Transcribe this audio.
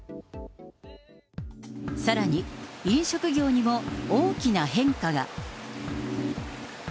さらに、飲食業にも大きな変化が。